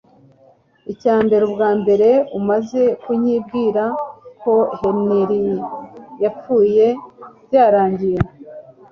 icya mbere ubwawe umaze kunyibwirira ko henry yapfuye byarangiye